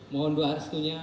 mohon berharap setunya